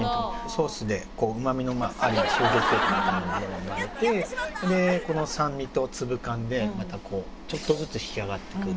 ソースでうま味のある意味相乗効果みたいな生まれてこの酸味と粒感でまたこうちょっとずつ引き上がってくっていう。